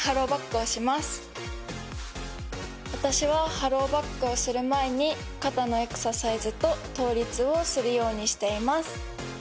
私はハローバックをする前に肩のエクササイズと倒立をするようにしています。